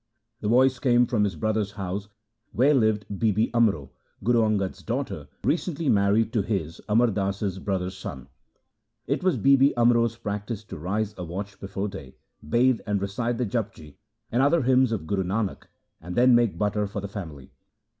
The voice came from his brother's house where lived Bibi Amro, Guru Angad's daughter, recently married to his (Amar Das's) brother's son. It was Bibi Amro's practice to rise a watch before day, bathe, and recite the Japji and other hymns of Guru Nanak, and then make butter for the family.